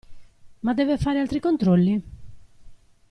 Ma deve fare altri controlli?